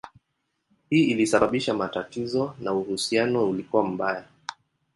Hii ilisababisha matatizo na uhusiano ulikuwa mbaya.